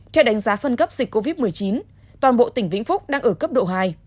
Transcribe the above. theo đánh giá phân cấp dịch covid một mươi chín toàn bộ tỉnh vĩnh phúc đang ở cấp độ hai